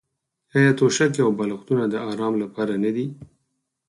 آیا توشکې او بالښتونه د ارام لپاره نه دي؟